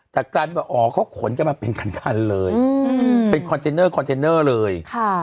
แต่การออกเขาขนจะมาเป็นคันเลยเป็นคอนเซนเนอร์คอนเซนเนอร์เลย